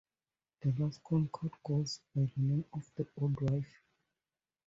The last corn cut goes by the name of the Old Wife.